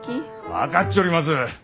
分かっちょります！